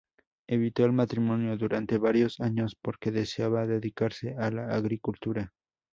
Evitó el matrimonio durante varios años porque deseaba dedicarse a la agricultura.